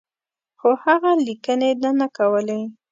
خو هغه لیکني ده نه کولې.